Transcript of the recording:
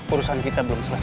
urusan kita belum selesai